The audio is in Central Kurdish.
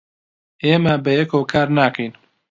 ئێمە بەیەکەوە کار ناکەین.